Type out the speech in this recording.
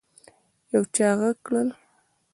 يو چا غږ کړ.